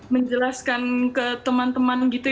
menjelaskan ke teman teman gitu